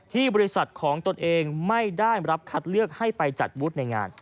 บริษัทของตนเองไม่ได้รับคัดเลือกให้ไปจัดวุฒิในงาน